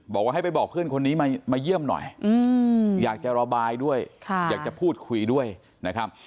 บอกว่าให้ไปบอกเพื่อนคนนี้มาเยี่ยมหน่อยอยากจะระบายด้วยอยากจะพูดคุยด้วยนะครับ